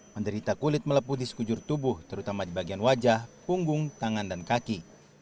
menderita kulit melepuh di sekujur tubuh terutama di bagian wajah punggung tangan dan kaki